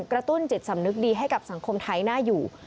กระตุ้นจิตสำนึกดีให้กับสังคมไทยน่าอยู่